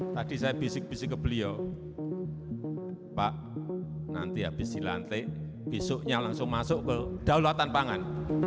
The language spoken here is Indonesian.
tadi saya bisik bisik ke beliau pak nanti habis dilantik besoknya langsung masuk ke daulatan pangan